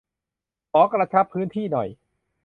ขอ"กระชับพื้นที่"หน่อย ?